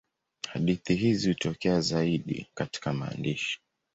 Hadithi hizi hutokea zaidi katika maandishi.